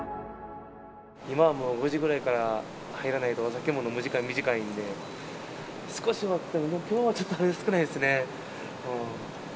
今はもう５時ぐらいから入らないと、お酒も飲む時間短いんで、少しは、きょうはちょっと少ないですね。